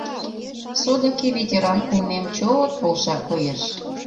Содыки ветеран улмем чо-от полша, коеш».